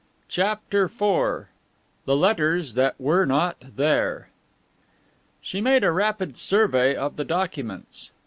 CHAPTER IV THE LETTERS THAT WERE NOT THERE She made a rapid survey of the documents.